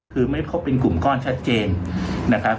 คือไม่พบเป็นกลุ่มก้อนชัดเจนนะครับ